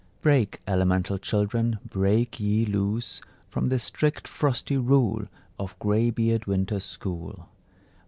Break, elemental children, break ye loose From the strict frosty rule Of grey beard Winter's school.